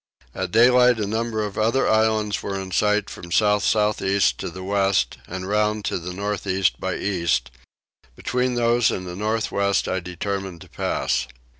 At daylight a number of other islands were in sight from south south east to the west and round to north east by east; between those in the north west I determined to pass.